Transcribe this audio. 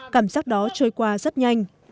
cảm giác đó trôi qua rất nhanh